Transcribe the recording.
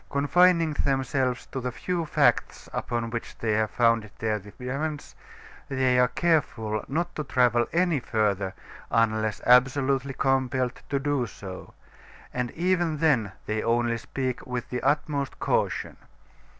Confining themselves to the few facts upon which they have founded their defense, they are careful not to travel any further unless absolutely compelled to do so, and even then they only speak with the utmost caution.